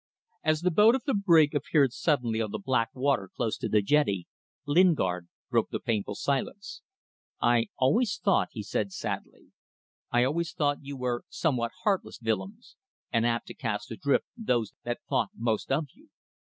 As the boat of the brig appeared suddenly on the black water close to the jetty, Lingard broke the painful silence. "I always thought," he said, sadly, "I always thought you were somewhat heartless, Willems, and apt to cast adrift those that thought most of you.